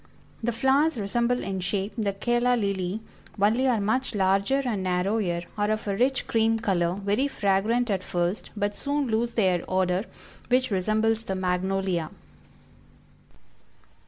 The flowers resemble in shape the Calla Lily, only are much larger and narrower, are of a rich cream color, very fragrant at first, but soon lose their odor, which resembles the Magnolia.